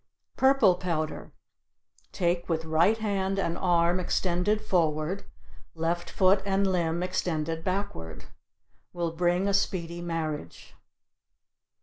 Purple powder take with right hand and arm extended forward, left foot and limb extended backward. Will bring a speedy marriage.